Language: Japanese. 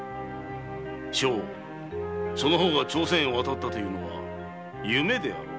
将翁その方が朝鮮へ渡ったというのは「夢」であろう。